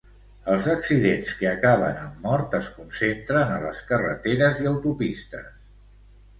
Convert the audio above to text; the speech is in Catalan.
Els accidents que acaben amb mort es concentren a les carreteres i autopistes.